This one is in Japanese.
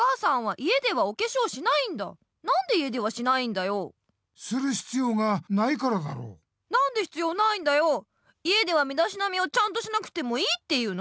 家ではみだしなみをちゃんとしなくてもいいっていうの？